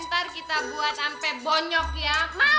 ntar kita buat sampai bonyok ya